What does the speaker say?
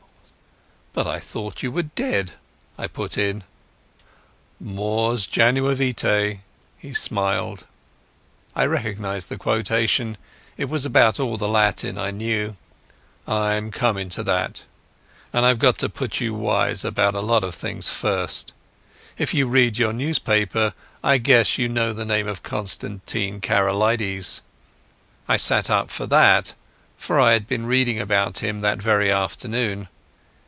"But I thought you were dead," I put in. "Mors janua vitæ," he smiled. (I recognized the quotation: it was about all the Latin I knew.) "I'm coming to that, but I've got to put you wise about a lot of things first. If you read your newspaper, I guess you know the name of Constantine Karolides?" I sat up at that, for I had been reading about him that very afternoon.